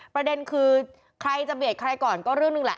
ประเด็นคือใครจะเบียดใครก่อนก็เรื่องหนึ่งแหละ